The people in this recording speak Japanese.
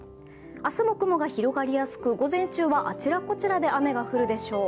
明日も雲が広がりやすく、午前中はあちらこちらで雨が降るでしょう。